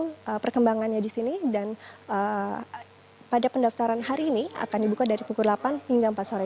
bagaimana perkembangannya di sini dan pada pendaftaran hari ini akan dibuka dari pukul delapan hingga empat sore